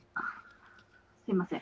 すいません。